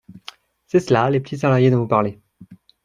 C’est cela, les petits salariés dont vous parlez.